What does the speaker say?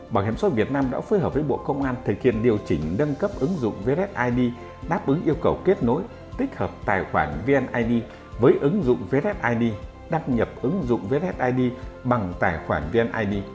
bảo hiểm xã hội việt nam đã phối hợp với bộ công an thực hiện điều chỉnh nâng cấp ứng dụng vssid đáp ứng yêu cầu kết nối tích hợp tài khoản vned với ứng dụng vssid đăng nhập ứng dụng vssid bằng tài khoản vned